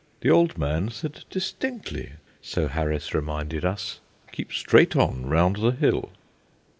"The old man said distinctly," so Harris reminded us, "keep straight on round the hill."